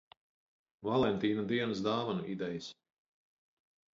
Valentīna dienas dāvanu idejas.